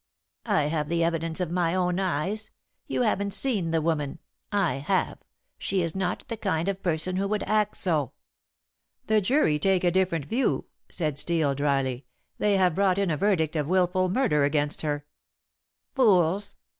"I have the evidence of my own eyes. You haven't seen the woman. I have. She is not the kind of person who would act so." "The jury take a different view," said Steel dryly. "They have brought in a verdict of wilful murder against her." "Fools!